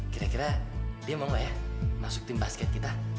kira kira dia mau gak ya masuk tim basket kita